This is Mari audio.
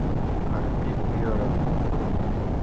Арпик ӧрын: